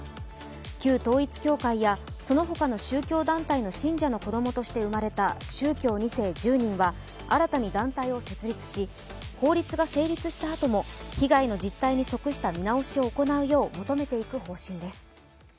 旧統一教会やその他の宗教団体の信者の子供として生まれた宗教２世１０人は新たに団体を設立し法律が成立したあとも被害の実態に即した見直しを行うよう求めていく方針です。